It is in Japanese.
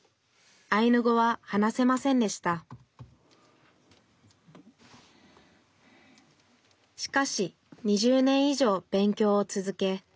アイヌ語は話せませんでしたしかし２０年以上勉強を続け